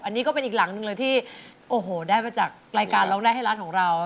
อันนี้ก็เป็นอีกหลังหนึ่งเลยที่โอ้โหได้มาจากรายการร้องได้ให้ร้านของเรา